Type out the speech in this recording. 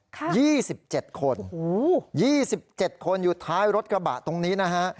ค่ะยี่สิบเจ็ดคน๒๒คนอยู่ท้ายรถกระบะตรงนี้อะฮะ